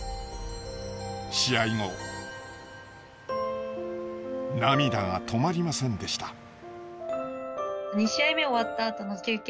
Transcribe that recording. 試合後涙が止まりませんでした。